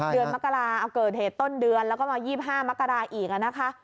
เดือนมกราเอาเกิดเหตุต้นเดือนแล้วก็มา๒๕มกราอีกนะคะ